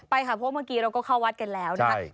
ไปค่ะเพราะเมื่อกี้เราก็เข้าวัดกันแล้วนะครับ